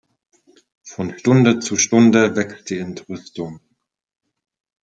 Von Stunde zu Stunde wächst die Entrüstung.